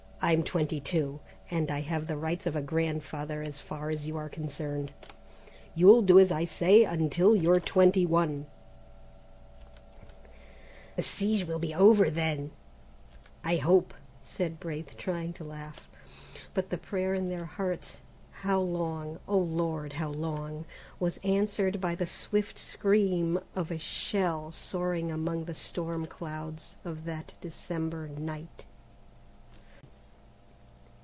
"I'm twenty two, and I have the rights of a grandfather as far as you are concerned. You'll do as I say until you're twenty one." "The siège will be over then, I hope," said Braith, trying to laugh, but the prayer in their hearts: "How long, O Lord, how long!" was answered by the swift scream of a shell soaring among the storm clouds of that December night.